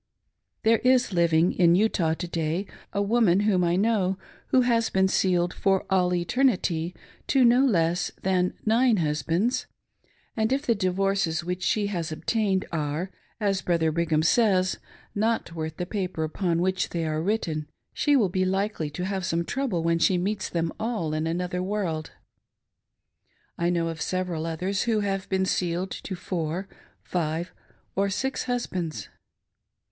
There is living in Utah, to day, a woman whom I know, who has been sealed "for all eternity'' to no less than nine hus bands; and if the divorces which she has obtained arc, as Brother Brigham says, not worth the paper upon which they are written, she will be likely to have some trouble when she meets them all in another world. I know of several others who have been sealed to four, five, or six husbands!